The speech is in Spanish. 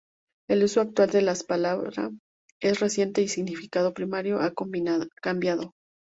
El uso actual de la palabra es reciente y su significado primario ha cambiado.